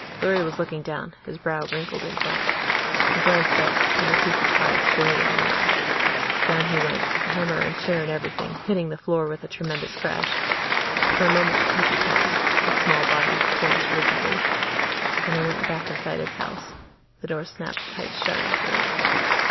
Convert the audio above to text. Larry was looking down, his brow wrinkled in thought. He glanced up, and the cuckoo caught him squarely in the eye. Down he went, hammer and chair and everything, hitting the floor with a tremendous crash. For a moment the cuckoo paused, its small body poised rigidly. Then it went back inside its house. The door snapped tight shut after it.